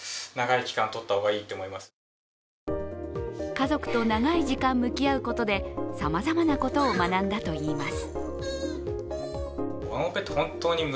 家族と長い時間、向き合うことでさまざまなことを学んだといいます。